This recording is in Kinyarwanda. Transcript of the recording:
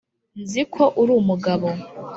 Nzi ko uri umugabo,